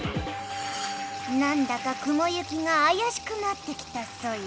なんだか雲行きがあやしくなってきたソヨ。